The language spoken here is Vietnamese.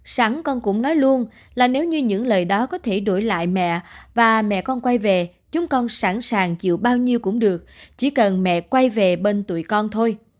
sáng con cũng nói luôn là nếu như những lời đó có thể đổi lại mẹ và mẹ con quay về chúng con sẵn sàng chịu bao nhiêu cũng được chỉ cần mẹ quay về bên tuổi con thôi